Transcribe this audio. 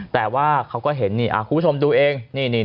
แต่ว่าเขาก็เห็นนี่คุณผู้ชมดูเอง